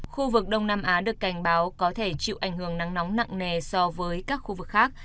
khu vực đông nam á được cảnh báo có thể chịu ảnh hưởng nắng nóng nặng nề so với các khu vực khác